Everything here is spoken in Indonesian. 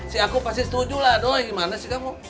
si aku pasti setuju lah doa gimana sih kamu